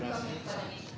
saya ingin tahu